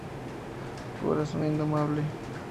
Corazón indomable